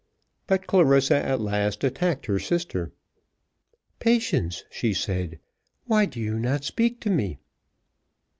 But Clarissa at last attacked her sister. "Patience," she said, "why do you not speak to me?"